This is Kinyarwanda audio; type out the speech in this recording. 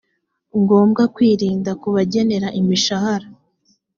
ngombwa kwirinda kubagenera imishahara